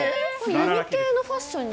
何系のファッションに？